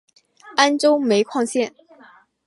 安州煤矿线